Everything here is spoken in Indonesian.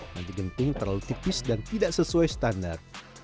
nanti genting terlalu tipis dan tidak sesuai standar